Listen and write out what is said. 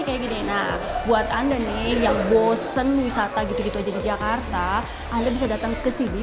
kayak gini nah buat anda nih yang bosen wisata gitu gitu aja di jakarta anda bisa datang ke sini